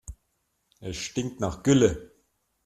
Es stinkt nach Gülle.